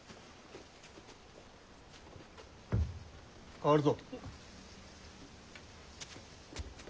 代わるぞ。